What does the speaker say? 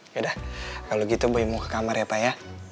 yaudah kalau gitu bayi mau ke kamar ya pak ya